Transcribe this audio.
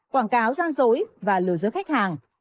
quảng cáo gian dối và lừa dối khách hàng